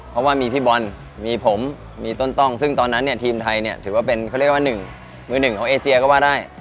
เพราะว่ามีพี่บอลมีผมมีต้นต้องซึ่งตอนนั้นเนี่ยทีมไทยเนี่ยถือว่าเป็นเขาเรียกว่าหนึ่งมือหนึ่งของเอเซียก็ว่าได้